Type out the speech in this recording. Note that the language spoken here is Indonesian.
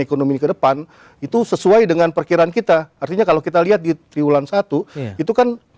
ekonomi ke depan itu sesuai dengan perkiraan kita artinya kalau kita lihat di triwulan satu itu kan